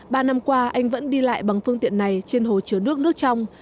ba năm qua anh vẫn đi lại bằng phương tiện này trên hồ chứa nước nước trong